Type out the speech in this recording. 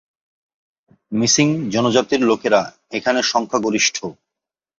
Missing জনজাতির লোকেরা এখানে সংখ্যা গরিষ্ঠ।